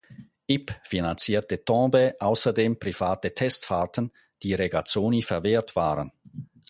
Yip finanzierte Tambay außerdem private Testfahrten, die Regazzoni verwehrt waren.